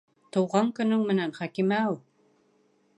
Тыуған көнөң менән, Хәкимәү!